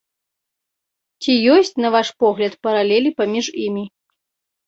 Ці ёсць, на ваш погляд, паралелі паміж імі?